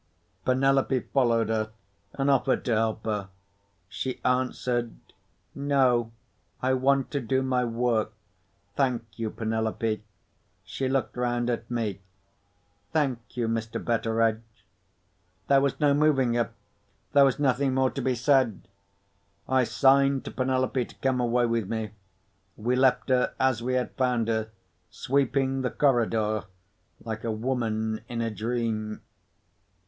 Penelope followed her, and offered to help her. She answered, "No. I want to do my work. Thank you, Penelope." She looked round at me. "Thank you, Mr. Betteredge." There was no moving her—there was nothing more to be said. I signed to Penelope to come away with me. We left her, as we had found her, sweeping the corridor, like a woman in a dream.